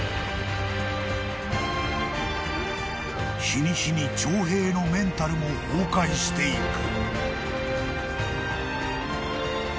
［日に日に長平のメンタルも崩壊していく］